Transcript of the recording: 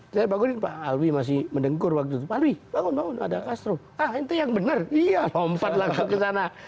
saya bangunin pak alwi masih mendengkur waktu itu pak alwi bangun bangun ada castro ah itu yang benar iya lompat langsung ke sana